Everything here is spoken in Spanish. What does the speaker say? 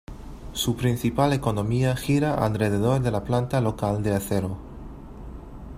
Su principal economía gira alrededor de la planta local de acero.